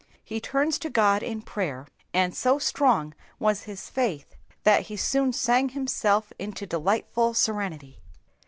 He turns to God in prayer, and so strong was his faith that he soon sang himself into delightful serenity.